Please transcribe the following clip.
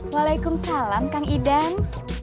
waalaikumsalam kang idan